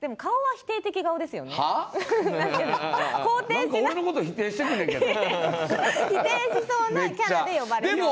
否定しそうなキャラで呼ばれそう。